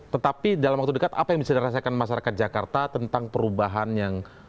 tetapi dalam waktu dekat apa yang bisa dirasakan masyarakat jakarta tentang perubahan yang